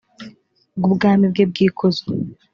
bw ubwami bwe bw ikuzo